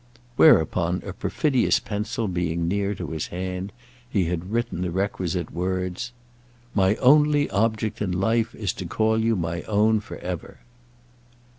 Whereupon, a perfidious pencil being near to his hand, he had written the requisite words. "My only object in life is to call you my own for ever."